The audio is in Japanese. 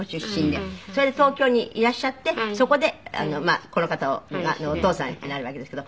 それで東京にいらっしゃってそこでまあこの方のお父さんになるわけですけど。